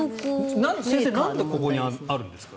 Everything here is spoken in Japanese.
先生なんでここにあるんですか？